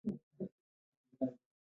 غول د خوږو عاشق نه دی.